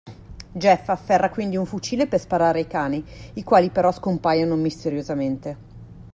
Jeff afferra quindi un fucile per sparare ai cani, i quali però scompaiono misteriosamente.